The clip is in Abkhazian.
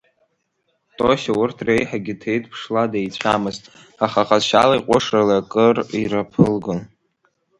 Тосиа урҭ реиҳагьы ҭеиҭԥшла деицәамызт, аха ҟазшьалеи ҟәышралеи акыр ираԥылгон.